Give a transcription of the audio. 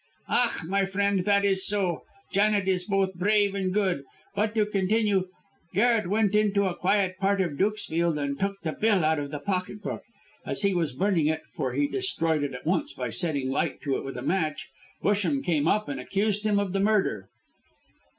"Ach! my friend, that is so. Janet is both brave and good. But to continue, Garret went into a quiet part of Dukesfield and took the bill out of the pocket book. As he was burning it for he destroyed it at once by setting light to it with a match Busham came up and accused him of the murder."